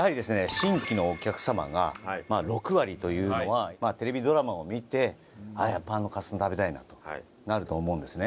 新規のお客様が６割というのはテレビドラマを見て「やっぱあのカツ丼食べたいな」となると思うんですね。